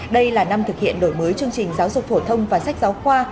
đây là năm thực hiện đổi mới chương trình giáo dục phổ thông và sách giáo khoa